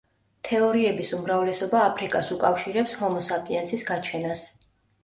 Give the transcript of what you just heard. თეორიების უმრავლესობა აფრიკას უკავშირებს ჰომო საპიენსის გაჩენას.